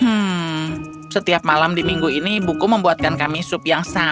hmm setiap malam di minggu ini buku membuatkan kami sup yang sama